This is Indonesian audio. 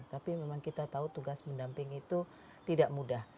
tapi memang kita tahu tugas mendamping itu tidak mudah